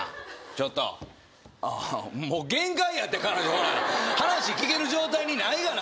ちょっともう限界やって彼女おい話聞ける状態にないがな